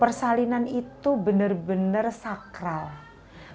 persalinan itu benar benar sakral